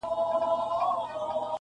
• انسانيت بايد وساتل سي تل..